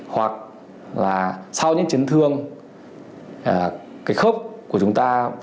hoặc là sau những chấn thương cái khốc của chúng ta